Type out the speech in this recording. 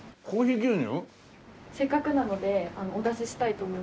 せっかくなのでお出ししたいと思いまして。